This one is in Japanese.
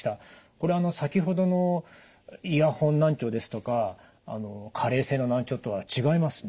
これあの先ほどのイヤホン難聴ですとか加齢性の難聴とは違いますね。